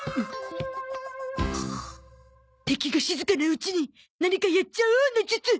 敵が静かなうちに何かやっちゃおーの術！